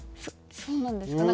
そうなんですか。